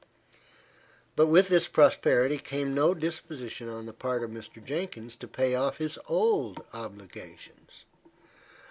But with this prosperity came no disposition on the part of Mr. Jenkins to pay off his old obligations.